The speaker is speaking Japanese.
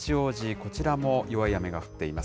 こちらも弱い雨が降っています。